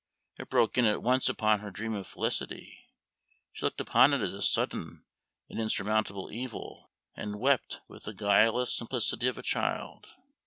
It broke in at once upon her dream of felicity; she looked upon it as a sudden and insurmountable evil, and wept with the guileless simplicity of a child.